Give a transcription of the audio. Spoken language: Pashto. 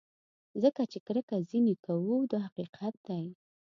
ځکه چې کرکه ځینې کوو دا حقیقت دی.